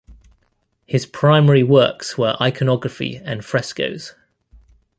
His primary works were iconography and frescos.